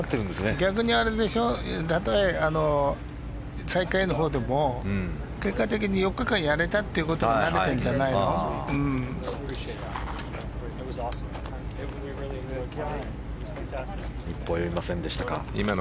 逆にたとえ最下位のほうでも結果的に４日間やれたということに慣れてるんじゃないの。